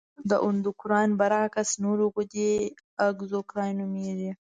د اندورکراین برعکس نورې غدې اګزوکراین نومیږي.